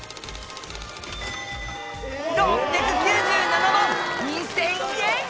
６９７万２０００円！